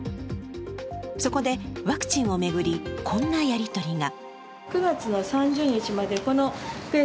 そこでワクチンを巡りこんなやりとりが。